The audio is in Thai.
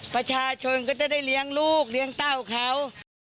ประชาชนก็จะได้เลี้ยงลูกเลี้ยงเต้าเขา